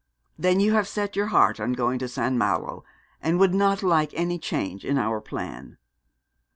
'Then you have set your heart on going to St. Malo, and would not like any change in our plan?'